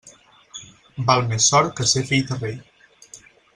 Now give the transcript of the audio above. Val més sort que ser fill de rei.